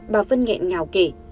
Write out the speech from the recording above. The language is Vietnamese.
bà vân ngẹn ngào kể